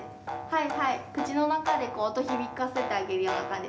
はいはい、口の中で音を響かせてあげるような感じ。